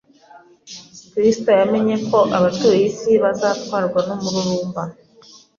Kristo yamenye ko abatuye isi bazatwarwa n’umururumba,